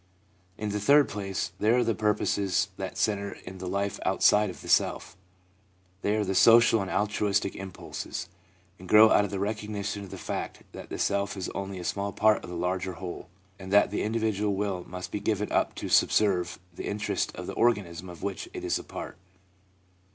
In the third place, there are the purposes that centre in the life outside of the self; they are the social and altruistic impulses, and grow out of the recognition of the fact that the self is only a small part of the larger whole, and that the individual will must be given up to subserve the interest ot the organism of which it is a part.